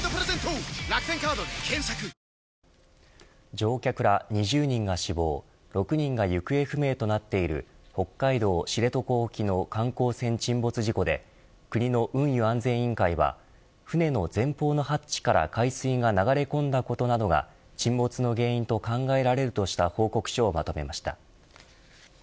乗客ら２０人が死亡６人が行方不明となっている北海道知床沖の観光船沈没事故で国の運輸安全委員会は船の前方のハッチから海水が流れ込んだことなどが沈没の原因と考えられるとした報告書をまとめました。